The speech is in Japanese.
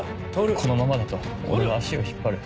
このままだと俺は足を引っ張る。